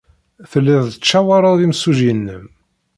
Telliḍ tettcawaṛeḍ imsujji-nnem.